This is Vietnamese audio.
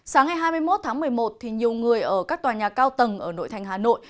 sáng ngày hai mươi một tháng một mươi một thì nhiều người ở các tòa nhà cao tầng ở nội thành hà nội